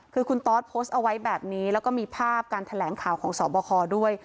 คือคุณตอสโพสต์เอาไว้แบบนี้แล้วก็มีภาพการแถลงข่าวของสอบคอด้วย